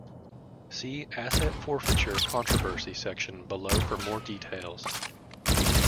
See Asset forfeiture controversy section below for more details.